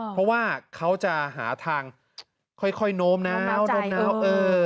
เพราะว่าเขาจะหาทางค่อยโน้มน้ำเออ